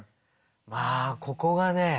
まあここがね